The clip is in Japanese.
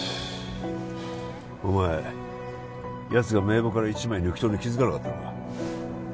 お前やつが名簿から１枚抜き取るの気づかなかったのか？